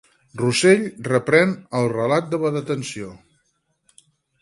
Russell reprèn el relat de la detenció.